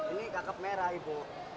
ini kakep merah ibu